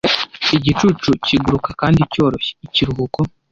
Igicucu kiguruka kandi cyoroshye, ikiruhuko.